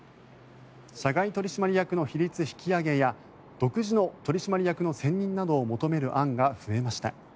社外取締役の比率引き上げや独自の取締役の選任などを求める案が増えました。